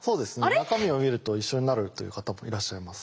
中身を見ると一緒になるという方もいらっしゃいます。